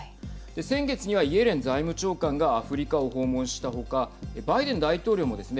先月にはイエレン財務長官がアフリカを訪問した他バイデン大統領もですね